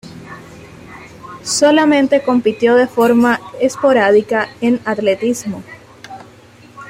Solamente compitió de forma esporádica en atletismo.